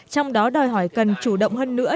trong đó đòi hỏi cần chủ động hơn nữa